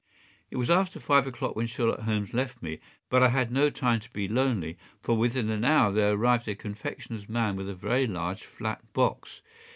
” It was after five o’clock when Sherlock Holmes left me, but I had no time to be lonely, for within an hour there arrived a confectioner’s man with a very large flat box.